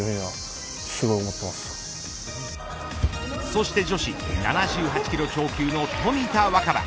そして女子７８キロ超級の冨田若春。